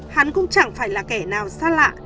hắn cũng chẳng phải là kẻ nào xa lạ